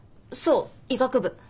そう医学部。